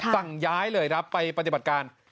สั่งย้ายเลยครับไปปฏิบัติการ